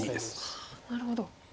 ああなるほど。